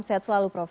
sehat selalu prof